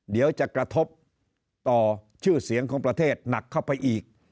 เดี๋ยวจะกระทบต่อชื่อเสียงของประเทศหนักเข้าไปอีก